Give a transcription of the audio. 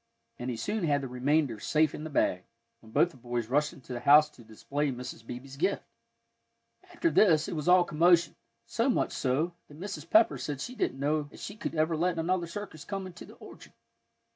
And he soon had the remainder safe in the bag, when both the boys rushed into the house to display Mrs. Beebe's gift. After this, it was all commotion; so much so that Mrs. Pepper said she didn't know as she should ever let another circus come into the orchard.